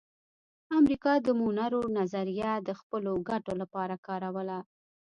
امریکا د مونرو نظریه د خپلو ګټو لپاره کاروله